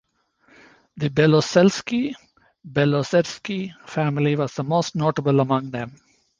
The Belosselsky-Belozersky family was the most notable among them.